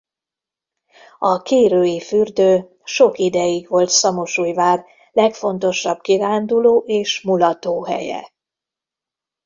A kérői fürdő sok ideig volt Szamosújvár legfontosabb kiránduló és mulató helye.